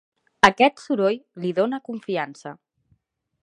Aquest soroll li dóna confiança.